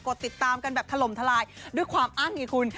ติดตามกันแบบถล่มทลายด้วยความอั้นไงคุณ